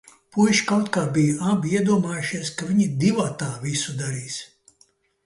Puiši kaut kā bija abi iedomājušies, ka viņi divatā visu darīs.